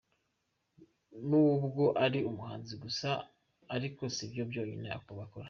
N’ubwo ari abahanzi gusa ariko sibyo byonyine bakora.